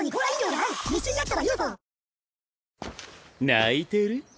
泣いてる？